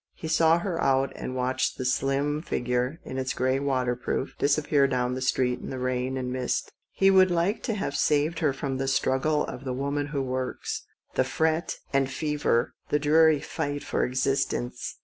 He saw her out, and watched the slim figure, in its grey waterproof, disappear down the street in the rain and mist. He would liked to have saved her from the struggle of the woman who works, the fret and fever, the dreary fight for existence.